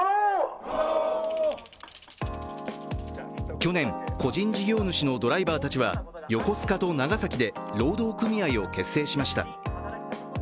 去年、個人事業主のドライバーたちは横須賀と長崎で労働組合を結成しました。